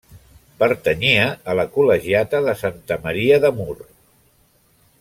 Pertanyia a la col·legiata de Santa Maria de Mur.